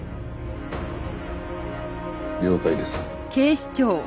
了解です。